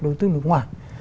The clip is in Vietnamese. đối tư nước ngoài